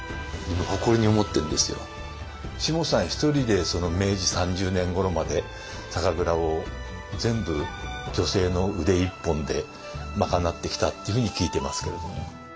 しもさん１人で明治３０年ごろまで酒蔵を全部女性の腕一本で賄ってきたっていうふうに聞いてますけれども。